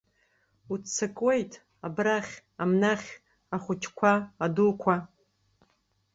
Уццакуеит, абрахь, амнахь, ахәыҷқәа, адуқәа.